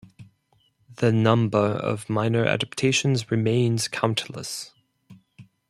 The number of minor adaptations remains countless.